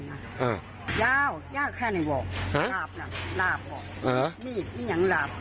เออยาวยากแค่ในหว่าฮะราบน่ะราบอ่ะ